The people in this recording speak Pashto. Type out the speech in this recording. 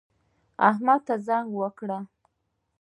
احمد ته زنګ وکړه